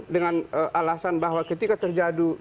dengan alasan bahwa ketika terjadi